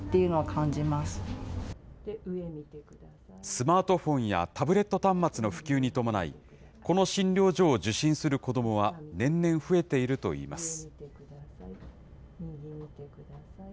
スマートフォンやタブレット端末の普及に伴い、この診療所を受診する子どもは年々増えているといいます。